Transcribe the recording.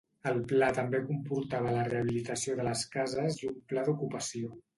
El pla també comportava la rehabilitació de les cases i un pla d'ocupació.